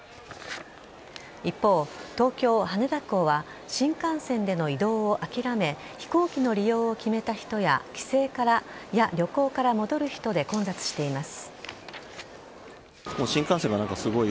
一方、東京・羽田空港は新幹線での移動を諦め飛行機の利用を決めた人や帰省や旅行から戻る人で混雑しています。